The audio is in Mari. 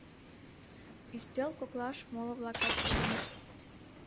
Ӱстел коклаш моло-влакат погынышт.